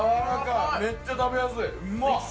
めっちゃ食べやすいうまっ。